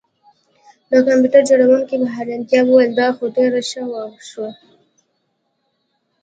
د کمپیوټر جوړونکي په حیرانتیا وویل دا خو ډیر ښه شو